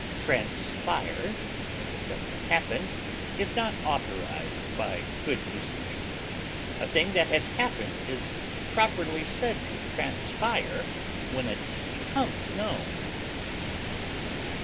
["Transpire," in the sense of happen, is not authorized by good usage: a thing that has happened is properly said to transpire when it becomes known.